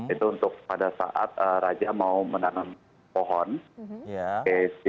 itu untuk pada saat raja mau menandatangani